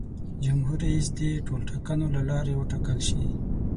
جمهور رئیس دې د ټولټاکنو له لارې وټاکل شي.